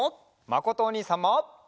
まことおにいさんも！